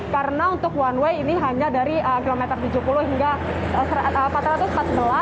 karena untuk one way ini hanya dari km tujuh puluh hingga empat ratus empat belas